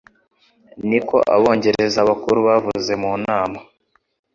Niki Abongereza Bakuru bavuze mu nama